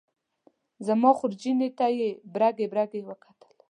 زما خورجینې ته یې برګې برګې وکتل.